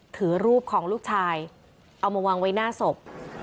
ถือรูปของลูกชายเอามาวางไว้หน้าศพ